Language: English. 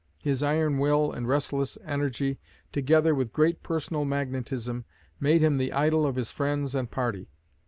His iron will and restless energy, together with great personal magnetism, made him the idol of his friends and party.